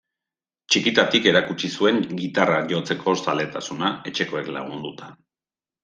Txikitatik erakutsi zuen gitarra jotzeko zaletasuna, etxekoek lagunduta.